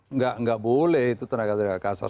nggak boleh itu tenaga tenaga kasar